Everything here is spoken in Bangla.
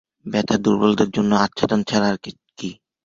ব্যথা দুর্বলদের তৈরি আচ্ছাদন ছাড়া আর কী?